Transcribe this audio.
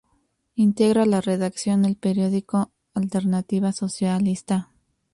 Integra la redacción del periódico Alternativa Socialista.